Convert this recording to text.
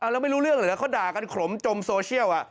แล้วไม่รู้เรื่องเหรอเขาด่ากันขลมจมโซเชียล